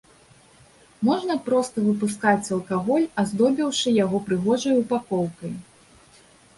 Можна проста выпускаць алкаголь, аздобіўшы яго прыгожай ўпакоўкай.